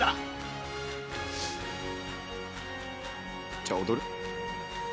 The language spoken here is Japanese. じゃ踊る？